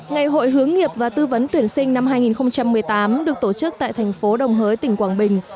ngày hội hướng nghiệp và tư vấn tuyển sinh năm hai nghìn một mươi tám được tổ chức tại thành phố đồng hới tỉnh quảng bình